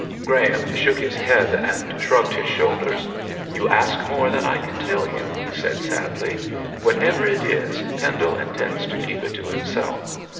Graham shook his head and shrugged his shoulders. 'You ask more than I can tell you,' he said sadly. 'Whatever it is, Pendle intends to keep it to himself.